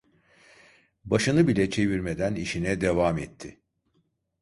Başını bile çevirmeden işine devam etti.